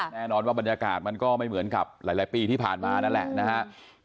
แน่นอนว่าบรรยากาศมันก็ไม่เหมือนกับหลายปีที่ผ่านมานั่นแหละนะครับ